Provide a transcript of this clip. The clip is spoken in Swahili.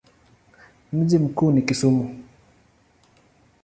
Mji mkuu ni Kisumu.